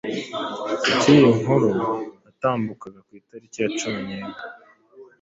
ubwo iyi nkuru yatambukaga ku itariki ya cumi nimwe